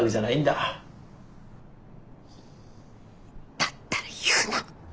だったら言うな！